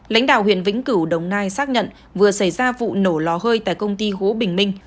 lãnh đạo huyện vĩnh cửu đồng nai xác nhận vừa xảy ra vụ nổ lò hơi tại công ty hố bình minh